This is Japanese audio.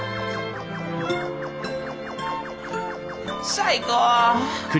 最高！